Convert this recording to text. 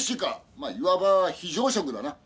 まあいわば非常食だな。